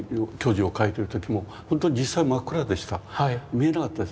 見えなかったです。